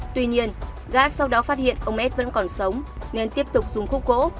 tuy nhiên gata sau đó phát hiện ông s vẫn còn sống nên tiếp tục dùng khúc gỗ